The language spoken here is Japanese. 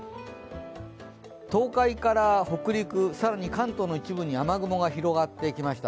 東海から北陸、更に関東の一部に雨雲が広がってきました。